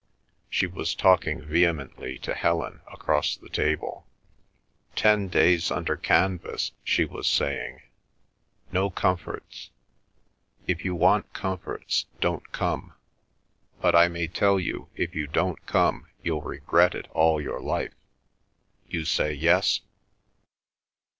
She was talking vehemently to Helen across the table. "Ten days under canvas," she was saying. "No comforts. If you want comforts, don't come. But I may tell you, if you don't come you'll regret it all your life. You say yes?"